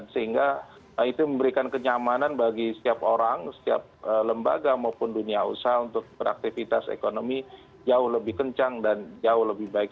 sehingga itu memberikan kenyamanan bagi setiap orang setiap lembaga maupun dunia usaha untuk beraktivitas ekonomi jauh lebih kencang dan jauh lebih baik